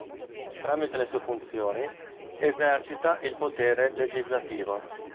Tramite le sue funzioni, esercita il potere legislativo.